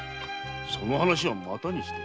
その話はまたにしよう。